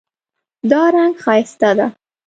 دا رنګ ښایسته ده